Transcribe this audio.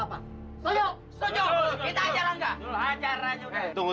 rangga diharuskan pelajaran kita nggak boleh diam dan gak berbuat apa apa